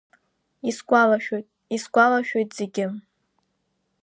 Исгәалашәоит, исгәалашәоит зегьы…